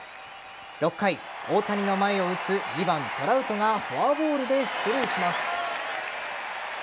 ６回、大谷の前を打つ２番・トラウトがフォアボールで出塁します。